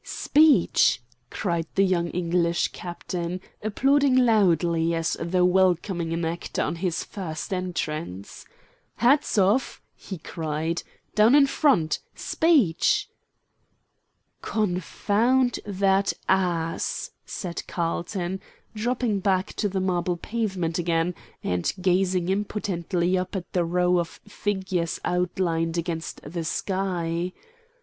"Speech!" cried the young English Captain, applauding loudly, as though welcoming an actor on his first entrance. "Hats off!" he cried. "Down in front! Speech!" "Confound that ass!" said Carlton, dropping back to the marble pavement again, and gazing impotently up at the row of figures outlined against the sky.